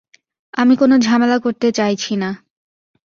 আমি কোনো ঝামেলা করতে চাইছি না।